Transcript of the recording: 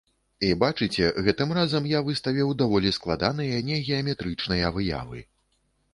І бачыце, гэтым разам я выставіў даволі складаныя, негеаметрычныя выявы.